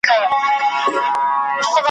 تور وېښته مي په دې لاره کي سپین سوي `